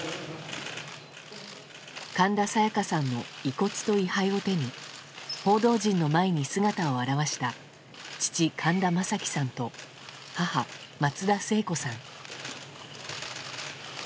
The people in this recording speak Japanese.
神田沙也加さんの遺骨と位牌を手に報道陣の前に姿を現した父・神田正輝さんと母・松田聖子さん。